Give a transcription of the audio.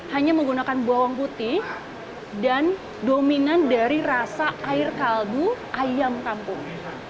hanya menggunakan bawang putih dan dominan dari rasa air kaldu ayam kampung